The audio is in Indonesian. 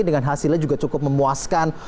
dengan hasilnya juga cukup memuaskan